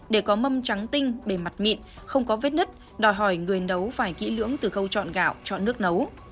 để có mâm trắng tinh bề mặt mịn không có vết nứt đòi hỏi người nấu phải kỹ lưỡng từ khâu chọn gạo chọn nước nấu